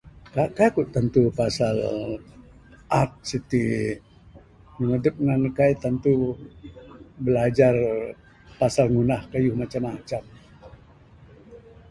Kai ku tentu pasal art siti ngin dep kai tentu bilajar pasal ngundah keyuh macam macam.